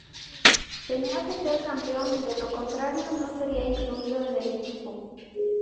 Tenía que ser campeón, de lo contrario no sería incluido en el equipo.